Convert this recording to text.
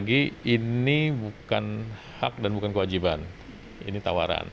lagi ini bukan hak dan bukan kewajiban ini tawaran